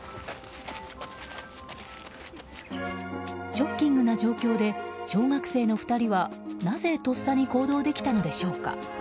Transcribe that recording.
ショッキングな状況で小学生の２人は、なぜとっさに行動できたのでしょうか。